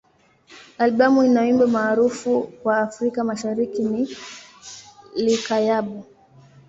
Albamu ina wimbo maarufu kwa Afrika Mashariki ni "Likayabo.